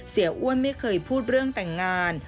อ้วนไม่เคยพูดเรื่องแต่งงาน